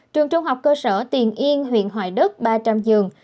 trường trung học cơ sở tiền yên huyện hoài đức ba trăm linh giường